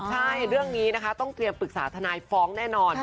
ใช่เรื่องนี้นะคะต้องเตรียมปรึกษาทนายฟ้องแน่นอน